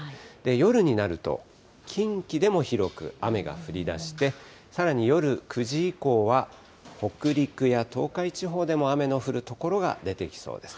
夜になると、近畿でも広く雨が降りだして、さらに夜９時以降は北陸や東海地方でも雨の降る所が出てきそうです。